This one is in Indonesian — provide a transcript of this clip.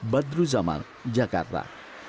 badru zamal jakarta